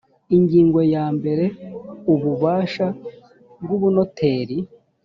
ingingo ya mbere ububasha bw ubunoteri